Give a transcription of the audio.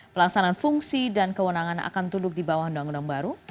pelaksanaan fungsi dan kewenangan akan duduk di bawah undang undang baru